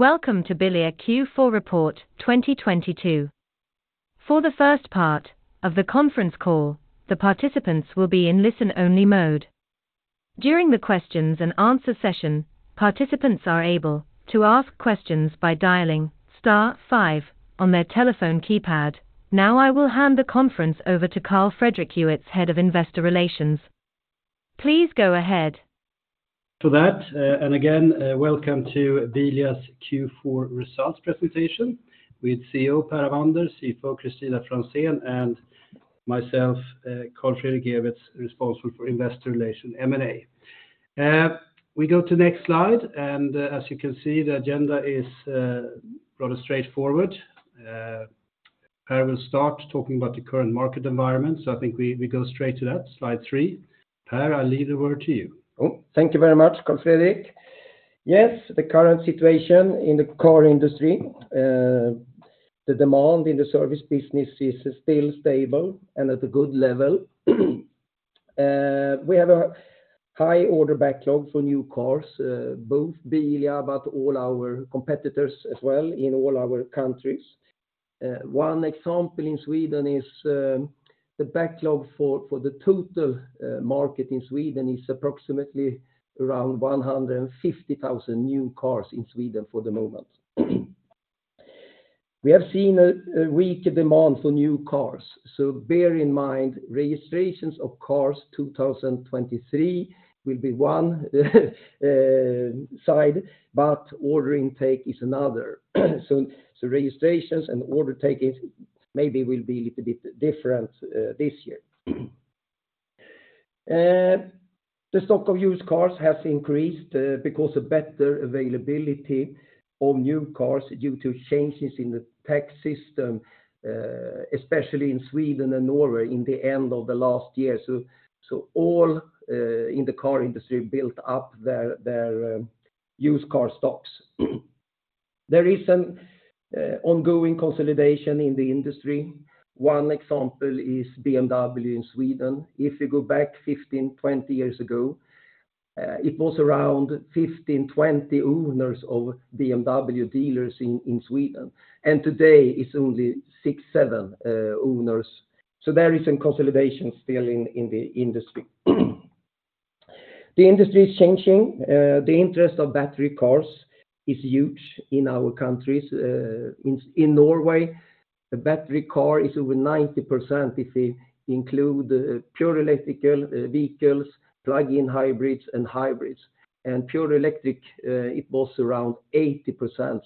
Welcome to Bilia Q4 report 2022. For the first part of the conference call, the participants will be in listen-only mode. During the questions and answer session, participants are able to ask questions by dialing star five on their telephone keypad. Now I will hand the conference over to Carl Fredrik Ewetz, Head of Investor Relations. Please go ahead. To that, welcome to Bilia's Q4 results presentation with CEO Per Avander, CFO Kristina Franzén, and myself, Carl Fredrik Ewetz, responsible for investor relations M&A. We go to next slide, and as you can see the agenda is rather straightforward. I will start talking about the current market environment. I think we go straight to that, slide three. Per, I leave the word to you. Oh, thank you very much, Carl Fredrik. The current situation in the car industry, the demand in the service business is still stable and at a good level. We have a high order backlog for new cars, both Bilia, but all our competitors as well in all our countries. One example in Sweden is the backlog for the total market in Sweden is approximately around 150,000 new cars in Sweden for the moment. We have seen a weak demand for new cars. Bear in mind registrations of cars 2023 will be one side, but order intake is another. Registrations and order take is maybe will be little bit different this year. The stock of used cars has increased because of better availability of new cars due to changes in the tax system, especially in Sweden and Norway in the end of the last year. All in the car industry built up their used car stocks. There is an ongoing consolidation in the industry. One example is BMW in Sweden. If you go back 15, 20 years ago, it was around 15, 20 owners of BMW dealers in Sweden. Today it's only six seven owners. There is some consolidation still in the industry. The industry is changing. The interest of battery cars is huge in our countries. In Norway, the battery car is over 90% if we include pure electrical vehicles, plug-in hybrids and hybrids. Pure electric, it was around 80%.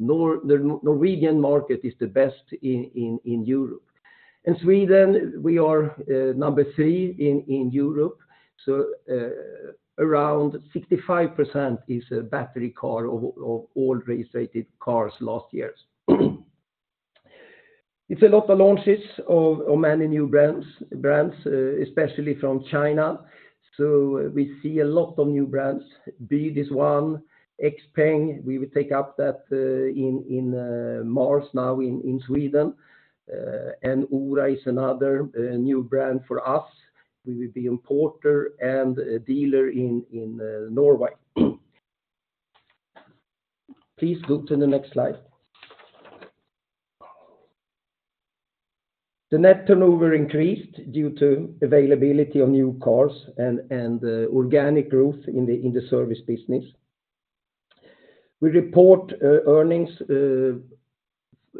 Norwegian market is the best in Europe. In Sweden, we are number three in Europe. Around 65% is a battery car of all registered cars last year. It's a lot of launches of many new brands, especially from China. We see a lot of new brands. BYD is one. XPENG, we will take up that in March now in Sweden. ORA is another new brand for us. We will be importer and a dealer in Norway. Please go to the next slide. The net turnover increased due to availability of new cars and organic growth in the service business. We report earnings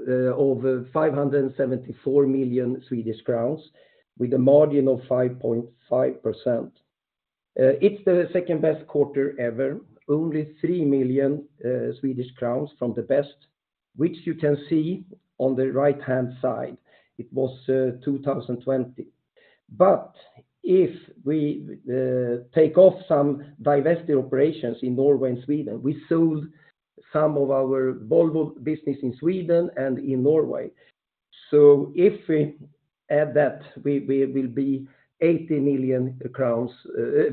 over 574 million Swedish crowns with a margin of 5.5%. It's the second-best quarter ever, only 3 million Swedish crowns from the best, which you can see on the right-hand side. It was 2020. If we take off some divested operations in Norway and Sweden, we sold some of our Volvo business in Sweden and in Norway. If we add that, we will be 80 million crowns better.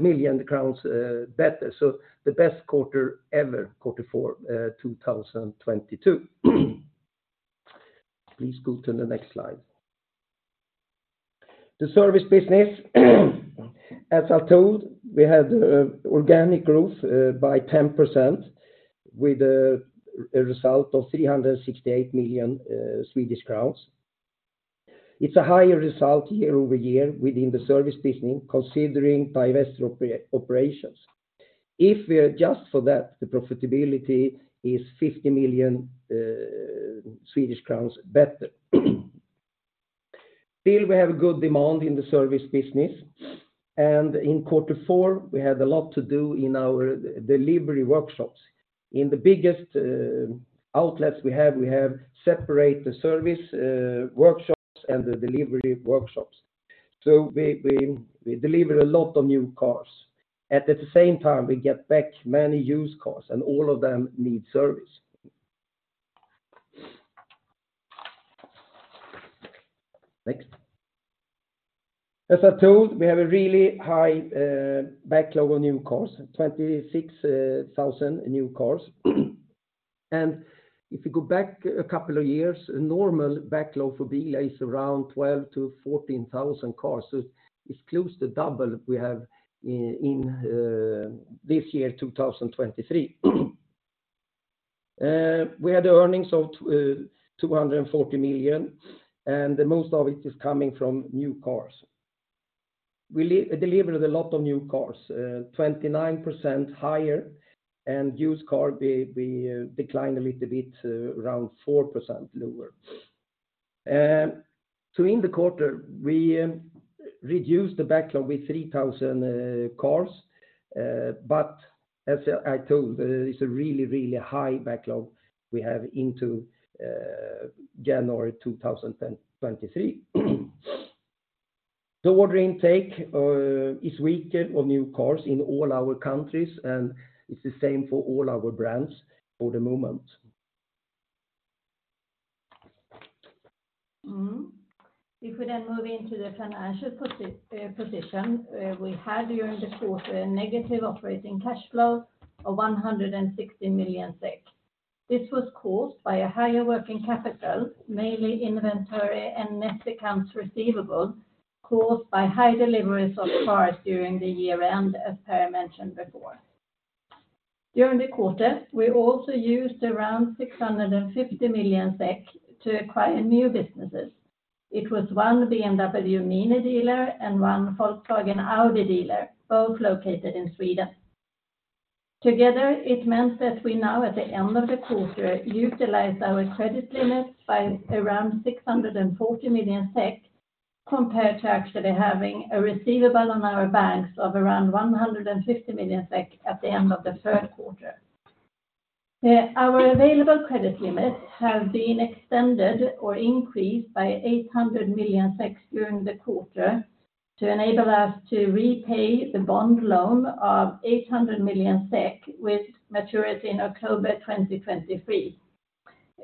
The best quarter ever, Q4 2022. Please go to the next slide. The service business, as I told, we had organic growth by 10% with a result of 368 million Swedish crowns. It's a higher result year-over-year within the service business, considering divested operations. If we adjust for that, the profitability is 50 million Swedish crowns better. Still, we have good demand in the service business. In Q4, we had a lot to do in our delivery workshops. In the biggest outlets we have, we have separate the service workshops and the delivery workshops. We deliver a lot of new cars. At the same time, we get back many used cars, and all of them need service. Next. As I told, we have a really high backlog on new cars, 26,000 new cars. If you go back a couple of years, a normal backlog for Bilia is around 12,000-14,000 cars. It's close to double we have in this year, 2023. We had earnings of 240 million, and most of it is coming from new cars. We de-delivered a lot of new cars, 29% higher, and used car, we declined a little bit, around 4% lower. In the quarter, we reduced the backlog with 3,000 cars. As I told, it's a really, really high backlog we have into January 2023. The order intake is weaker on new cars in all our countries, and it's the same for all our brands for the moment. Mm-hmm. We then move into the financial position. We had during the quarter a negative operating cash flow of 160 million SEK. This was caused by a higher working capital, mainly inventory and net accounts receivable, caused by high deliveries of cars during the year-end, as Per mentioned before. During the quarter, we also used around 650 million SEK to acquire new businesses. It was one BMW MINI dealer and one Volkswagen Audi dealer, both located in Sweden. Together, it meant that we now, at the end of the quarter, utilized our credit limits by around 640 million SEK, compared to actually having a receivable on our banks of around 150 million SEK at the end of the Q3. Our available credit limits have been extended or increased by 800 million during the quarter to enable us to repay the bond loan of 800 million SEK with maturity in October 2023.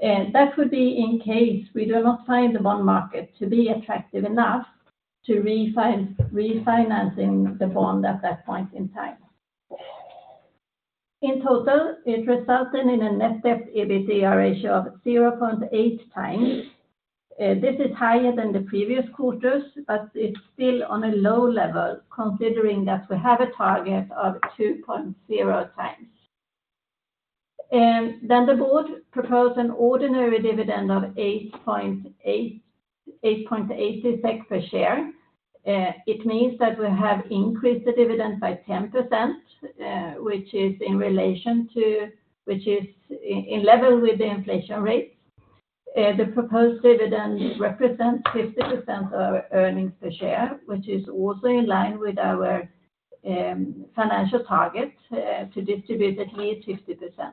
That would be in case we do not find the bond market to be attractive enough to refinancing the bond at that point in time. In total, it resulted in a net debt EBITDA ratio of 0.8 times. This is higher than the previous quarters, but it's still on a low level considering that we have a target of 2.0 times. The board proposed an ordinary dividend of 8.8 SEK per share. It means that we have increased the dividend by 10%, which is in level with the inflation rate. The proposed dividend represents 50% of earnings per share, which is also in line with our financial target to distribute at least 50%.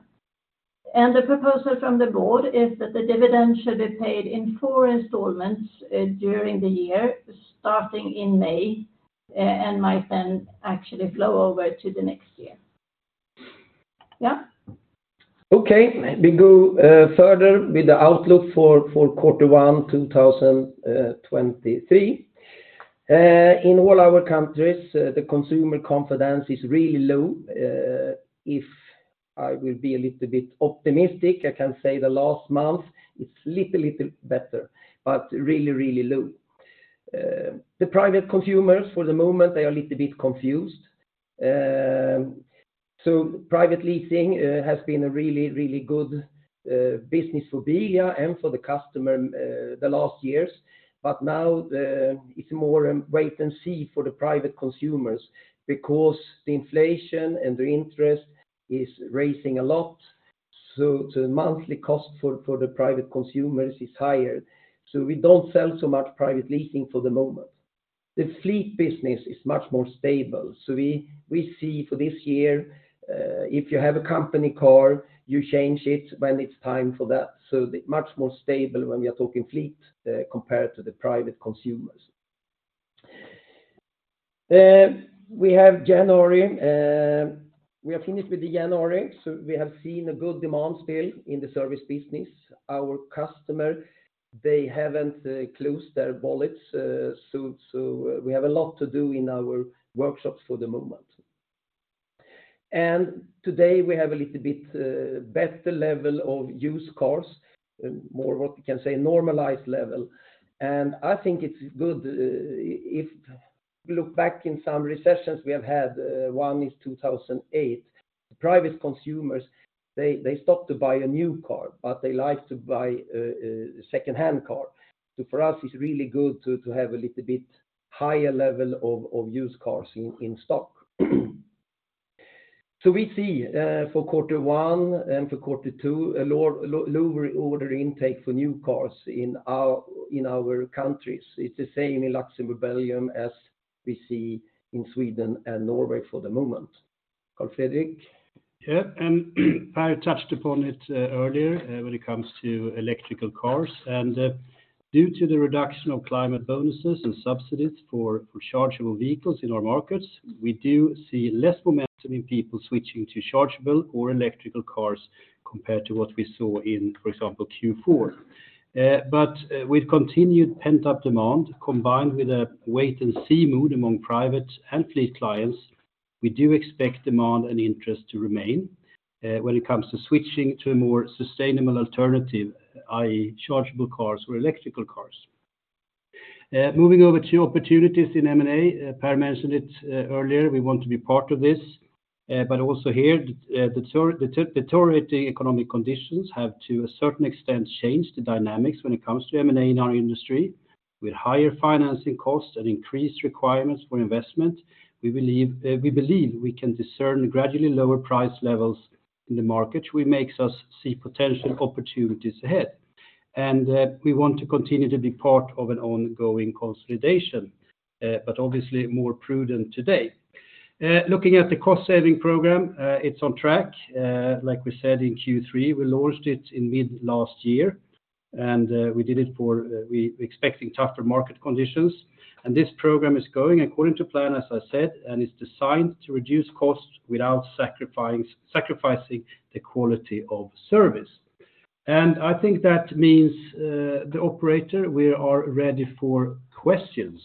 The proposal from the board is that the dividend should be paid in four installments during the year, starting in May, and might then actually flow over to the next year. Yeah. Okay. We go further with the outlook for Q1 2023. In all our countries, the consumer confidence is really low. If I will be a little bit optimistic, I can say the last month it's little better, but really low. The private consumers, for the moment, they are a little bit confused. Private leasing has been a really good business for Bilia and for the customer, the last years. Now, it's more wait and see for the private consumers because the inflation and the interest is raising a lot. The monthly cost for the private consumers is higher. We don't sell so much private leasing for the moment. The fleet business is much more stable. We see for this year, if you have a company car, you change it when it's time for that. Much more stable when we are talking fleet, compared to the private consumers. We have January. We are finished with the January, we have seen a good demand still in the service business. Our customer, they haven't closed their wallets. We have a lot to do in our workshops for the moment. Today, we have a little bit better level of used cars, more what you can say normalized level. I think it's good, if look back in some recessions we have had, one is 2008, private consumers, they stop to buy a new car, but they like to buy a secondhand car. For us, it's really good to have a little bit higher level of used cars in stock. We see for Q1 and for Q2, a lower order intake for new cars in our countries. It's the same in Luxembourg, Belgium as we see in Sweden and Norway for the moment. Carl Fredrik. Yeah. Per touched upon it, earlier when it comes to electrical cars. Due to the reduction of climate bonuses and subsidies for chargeable vehicles in our markets, we do see less momentum in people switching to chargeable or electrical cars compared to what we saw in, for example, Q4. With continued pent-up demand combined with a wait and see mood among private and fleet clients. We do expect demand and interest to remain when it comes to switching to a more sustainable alternative, i.e., chargeable cars or electrical cars. Moving over to opportunities in M&A. Per mentioned it earlier, we want to be part of this. Also here the deteriorating economic conditions have to a certain extent changed the dynamics when it comes to M&A in our industry. With higher financing costs and increased requirements for investment, we believe we can discern gradually lower price levels in the market, which makes us see potential opportunities ahead. We want to continue to be part of an ongoing consolidation, but obviously more prudent today. Looking at the cost-saving program, it's on track. Like we said in Q3, we launched it in mid last year, and we did it for, we expecting tougher market conditions. This program is going according to plan, as I said, and is designed to reduce costs without sacrificing the quality of service. I think that means, the operator, we are ready for questions.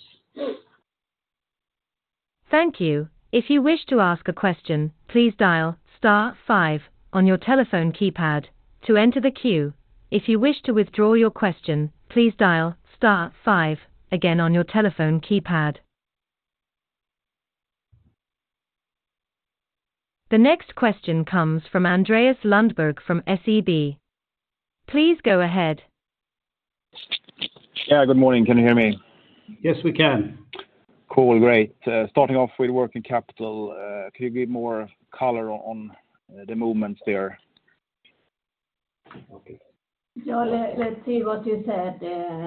Thank you. If you wish to ask a question, please dial star five on your telephone keypad to enter the queue. If you wish to withdraw your question, please dial star five again on your telephone keypad. The next question comes from Andreas Lundberg from SEB. Please go ahead. Yeah. Good morning. Can you hear me? Yes, we can. Cool. Great. Starting off with working capital, could you give more color on the movements there? Okay. Yeah. Let's see what you said.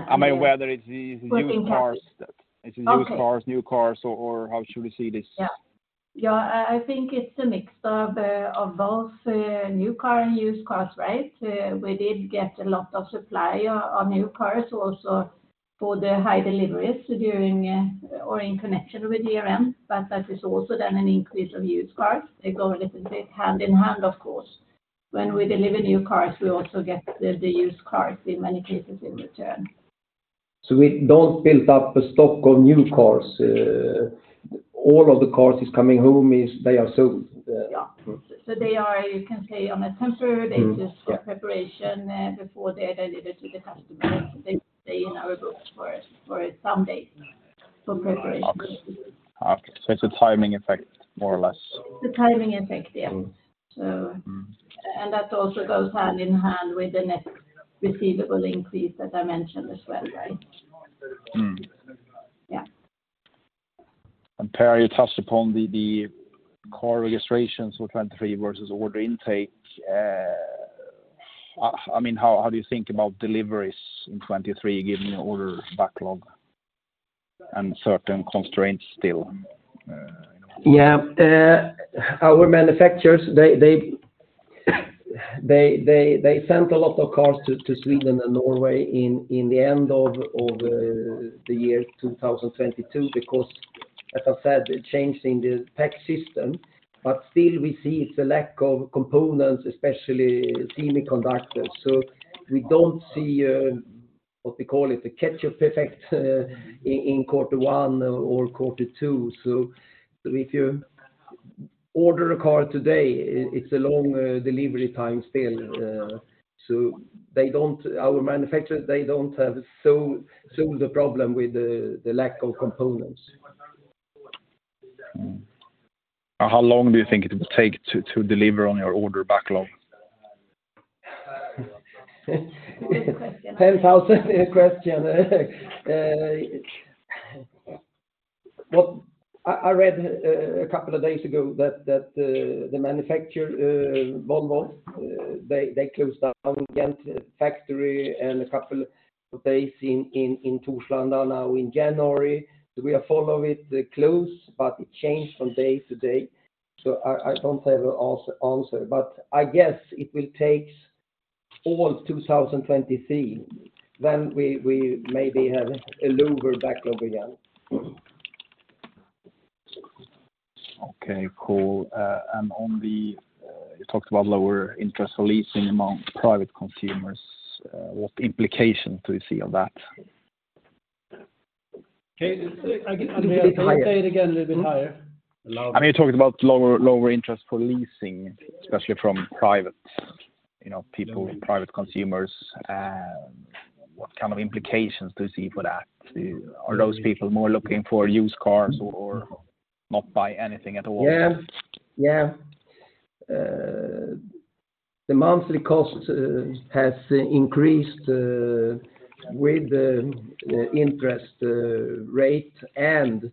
I mean, whether it's the used cars. Working capital. Okay. Is it used cars, new cars, or how should we see this? Yeah. Yeah. I think it's a mix of both new car and used cars, right? We did get a lot of supply on new cars also for the high deliveries during or in connection with DRM. That is also then an increase of used cars. They go a little bit hand in hand, of course. When we deliver new cars, we also get the used cars in many cases in return. we don't build up a stock on new cars. All of the cars is coming home they are sold. Yeah. They are, you can say on a temporary- Mm-hmm... basis for preparation, before they're delivered to the customer. They stay in our books for some days for preparation. Okay. It's a timing effect more or less. It's a timing effect. Yeah. Mm-hmm. So- Mm-hmm That also goes hand in hand with the net receivable increase that I mentioned as well, right? Mm-hmm. Yeah. Per, you touched upon the car registrations for 2023 versus order intake. I mean, how do you think about deliveries in 2023 given the order backlog and certain constraints still, you know, going forward? Yeah. Our manufacturers, they sent a lot of cars to Sweden and Norway in the end of the year 2022 because as I said, the change in the tax system. Still we see it's a lack of components, especially semiconductors. We don't see what we call it, the catch-up effect in Q1 or Q2. If you order a car today, it's a long delivery time still. Our manufacturers, they don't have so solved the problem with the lack of components. How long do you think it will take to deliver on your order backlog? Good question. 10,000 question. well, I read a couple of days ago that the manufacturer Volvo, they closed down Ghent factory and a couple of days in Torslanda now in January. We are following it close, but it change from day to day. I don't have a answer, but I guess it will take all 2023. We maybe have a lower backlog again. Okay. Cool. On the, you talked about lower interest for leasing among private consumers. What implication do you see on that? Okay. I mean, say it again, a little bit higher. I mean, you're talking about lower interest for leasing, especially from private, you know, people, private consumers. What kind of implications do you see for that? Are those people more looking for used cars or not buy anything at all? Yeah. Yeah. The monthly cost has increased with the interest rate. In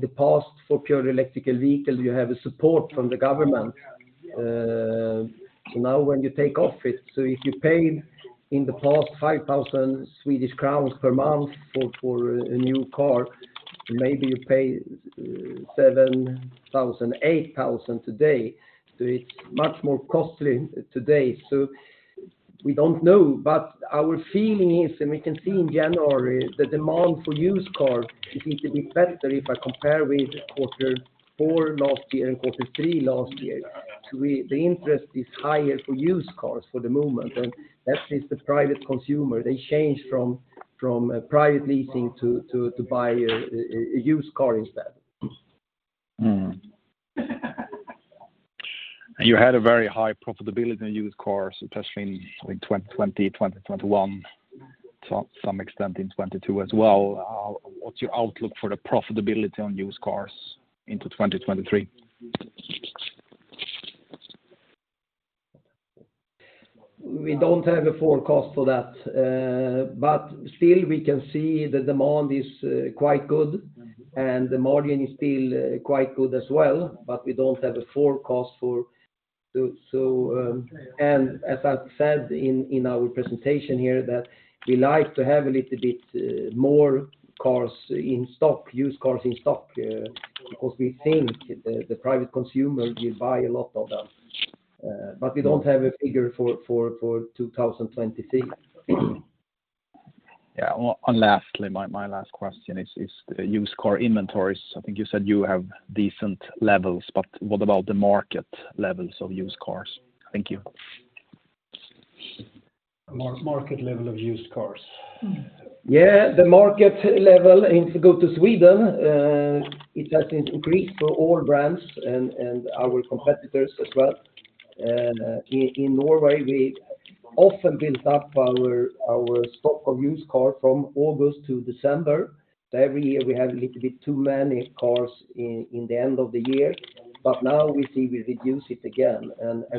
the past, for pure electric vehicle, you have a climate bonus from the government. Now when you take off it, if you paid in the past 5,000 Swedish crowns per month for a new car, maybe you pay 7,000-8,000 today. It's much more costly today. We don't know. Our feeling is, and we can see in January, the demand for used cars is a little bit better if I compare with Q4 last year and Q3 last year. The interest is higher for used cars for the moment. At least the private consumer, they change from private leasing to buy a used car instead. Mm-hmm. You had a very high profitability in used cars, especially in 2020, 2021, some extent in 2022 as well. What's your outlook for the profitability on used cars into 2023? We don't have a forecast for that. Still we can see the demand is quite good, and the margin is still quite good as well, but we don't have a forecast. As I said in our presentation here that we like to have a little bit more cars in stock, used cars in stock, because we think the private consumer will buy a lot of them. We don't have a figure for 2023. Yeah. Well, lastly, my last question is used car inventories. I think you said you have decent levels, what about the market levels of used cars? Thank you. Market level of used cars. Yeah. The market level in Sweden, it has increased for all brands and our competitors as well. In Norway, we often build up our stock of used car from August to December. Every year, we have a little bit too many cars in the end of the year. Now we see we reduce it again.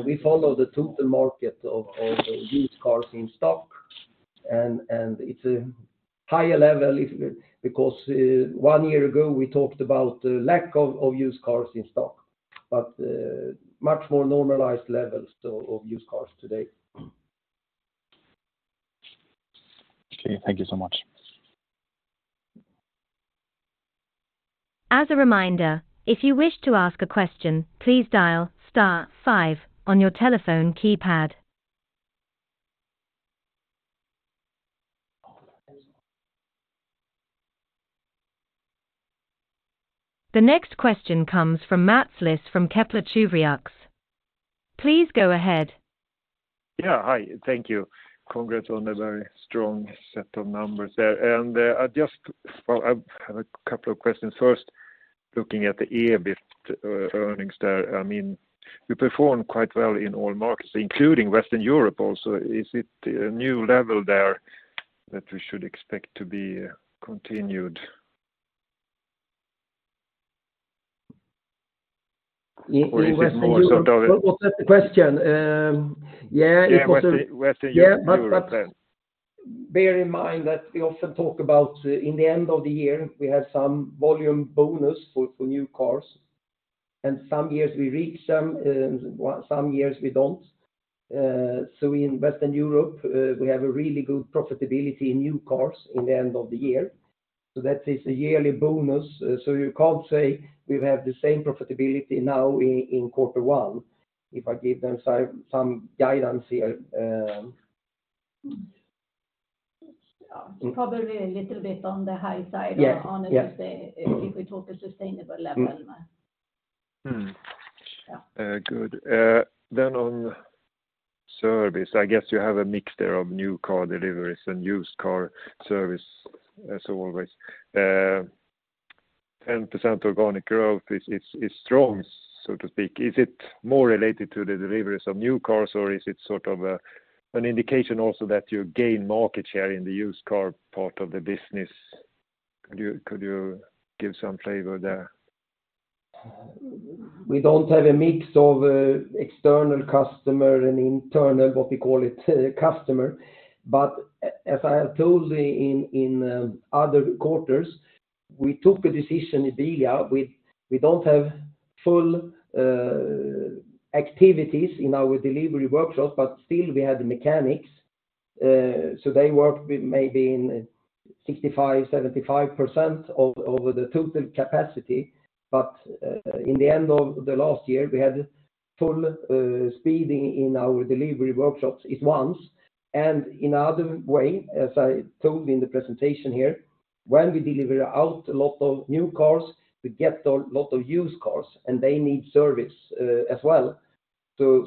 We follow the total market of used cars in stock. It's a higher level because one year ago, we talked about the lack of used cars in stock, much more normalized levels of used cars today. Okay. Thank you so much. As a reminder, if you wish to ask a question, please dial star five on your telephone keypad. The next question comes from Mats Liss from Kepler Cheuvreux. Please go ahead. Yeah. Hi. Thank you. Congrats on a very strong set of numbers there. Well, I have a couple of questions. First, looking at the EBIT earnings there, I mean, you perform quite well in all markets, including Western Europe also. Is it a new level there that we should expect to be continued? In Western Europe. Is it more sort of- What's that question? Yeah, it was- Yeah. Western Europe then. Bear in mind that we often talk about in the end of the year, we have some volume bonus for new cars, and some years we reach them, some years we don't. In Western Europe, we have a really good profitability in new cars in the end of the year. That is a yearly bonus. You can't say we have the same profitability now in Q1. If I give them some guidance here. Yeah. Probably a little bit on the high side. Yes. Yeah honestly, if we talk a sustainable level. Mm. Yeah. Good. On service, I guess you have a mixture of new car deliveries and used car service as always. 10% organic growth is strong, so to speak. Is it more related to the deliveries of new cars, or is it sort of a, an indication also that you gain market share in the used car part of the business? Could you, could you give some flavor there? We don't have a mix of external customer and internal, what we call it, customer. As I have told in other quarters, we took a decision in Bilia. We don't have full activities in our delivery workshops, but still we have the mechanics. So they work with maybe in 65%-75% of, over the total capacity. In the end of the last year, we had full speeding in our delivery workshops at once. In other way, as I told in the presentation here, when we deliver out a lot of new cars, we get a lot of used cars, and they need service as well. So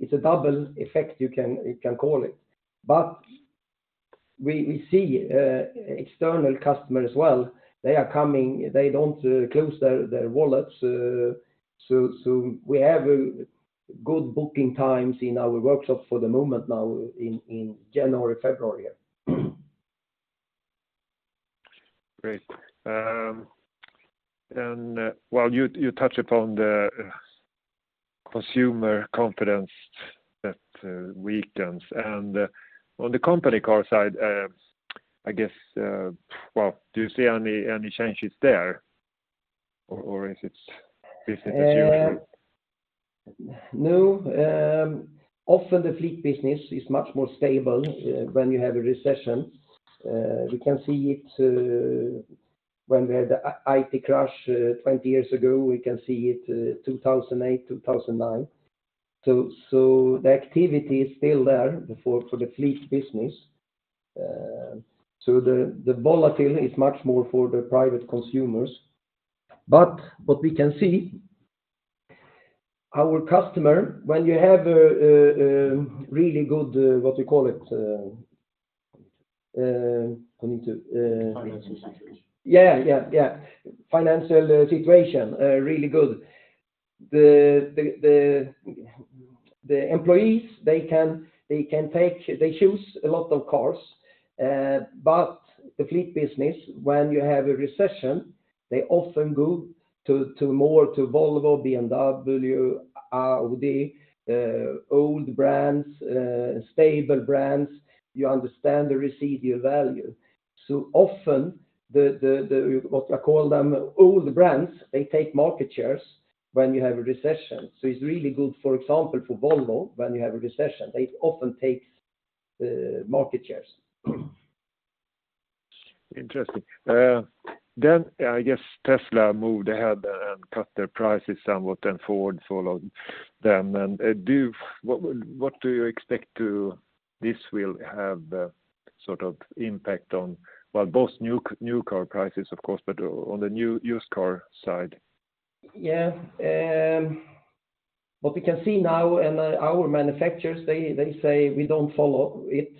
it's a double effect you can call it. We see external customer as well. They are coming. They don't close their wallets. We have good booking times in our workshop for the moment now in January, February. Great. Well, you touched upon the consumer confidence that weakens. On the company car side, I guess, well, do you see any changes there, or is it business as usual? No. Often the fleet business is much more stable when you have a recession. We can see it when we had the IT crash 20 years ago. We can see it 2008, 2009. The activity is still there for the fleet business. The volatility is much more for the private consumers. What we can see, our customer, when you have a really good, what you call it, coming to. Financial situation. Yeah, yeah. Financial situation really good. The employees, they choose a lot of cars. The fleet business, when you have a recession, they often go to more to Volvo, BMW, Audi, old brands, stable brands. You understand the residual value. Often the, what I call them, old brands, they take market shares when you have a recession. It's really good, for example, for Volvo, when you have a recession. They often take market shares. Interesting. I guess Tesla moved ahead and cut their prices some what, and Ford followed them. What do you expect to this will have a sort of impact on, well, both new car prices, of course, but on the new used car side? Yeah. What we can see now in our manufacturers, they say we don't follow it.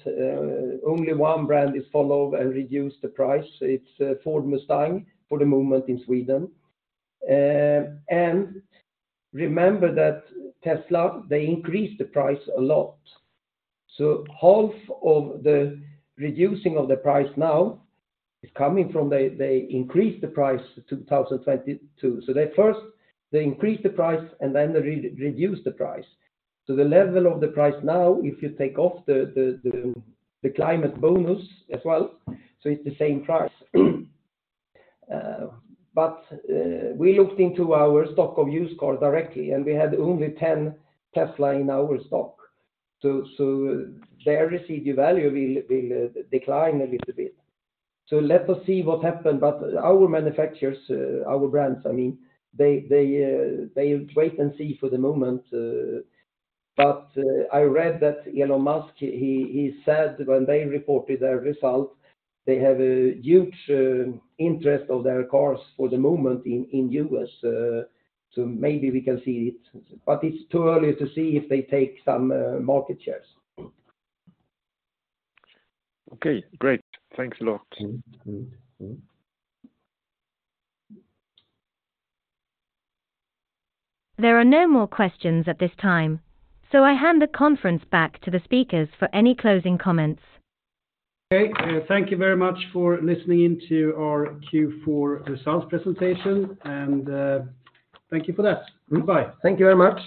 Only one brand is follow and reduce the price. It's Ford Mustang for the moment in Sweden. Remember that Tesla, they increased the price a lot. Half of the reducing of the price now is coming from they increased the price 2022. They first increased the price and then they re-reduce the price. The level of the price now, if you take off the climate bonus as well, so it's the same price. We looked into our stock of used cars directly, and we had only 10 Tesla in our stock. Their residual value will decline a little bit. Let us see what happens. Our manufacturers, our brands, they wait and see for the moment. I read that Elon Musk, he said when they reported their result, they have a huge interest of their cars for the moment in U.S. Maybe we can see it, but it's too early to see if they take some market shares. Okay, great. Thanks a lot. There are no more questions at this time. I hand the conference back to the speakers for any closing comments. Okay. Thank you very much for listening in to our Q4 results presentation. Thank you for that. Goodbye. Thank you very much.